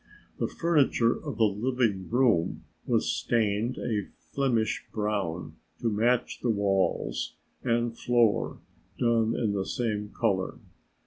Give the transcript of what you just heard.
The furniture of the living room was stained a Flemish brown to match the walls and floor done in the same color.